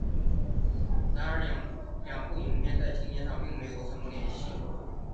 然而两部影片在情节上并没有什么联系。